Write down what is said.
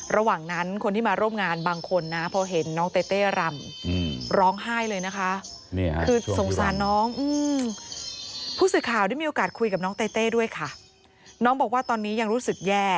ระหว่างนั้นคนที่มาร่วมงานบางคนนะเพราะเห็นน้องเต้เต้รำร้องไห้เลยนะคะ